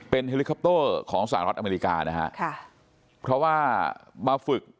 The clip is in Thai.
เฮลิคอปเตอร์ของสหรัฐอเมริกานะฮะค่ะเพราะว่ามาฝึก